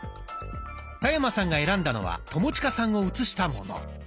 田山さんが選んだのは友近さんを写したもの。